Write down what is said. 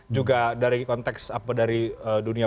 juga dari konteks apa dari dunia